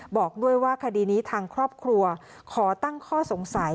บอกด้วยว่าคดีนี้ทางครอบครัวขอตั้งข้อสงสัย